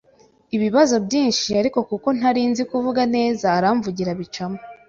ibibazo byinshi ariko kuko ntari nzi kuvuga neza aramvugira bicamo